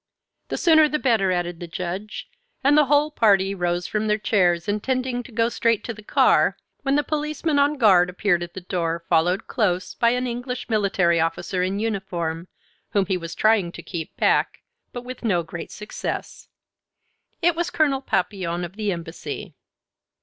"The sooner the better," added the Judge, and the whole party rose from their chairs, intending to go straight to the car, when the policeman on guard appeared at the door, followed close by an English military officer in uniform, whom he was trying to keep back, but with no great success. It was Colonel Papillon of the Embassy.